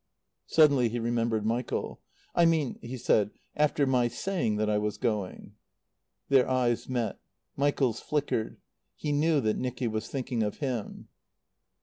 Suddenly he remembered Michael. "I mean," he said, "after my saying that I was going." Their eyes met. Michael's flickered. He knew that Nicky was thinking of him.